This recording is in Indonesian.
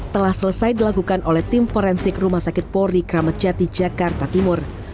telah selesai dilakukan oleh tim forensik rumah sakit polri kramat jati jakarta timur